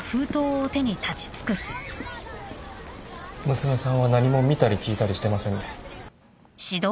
娘さんは何も見たり聞いたりしてませんね。